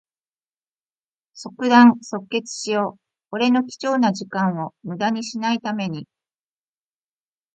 即断即決しよう。俺の貴重な時間をむだにしない為に。